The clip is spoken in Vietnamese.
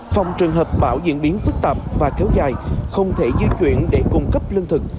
phòng trường hợp bão diễn biến phức tạp và kéo dài không thể di chuyển để cung cấp lương thực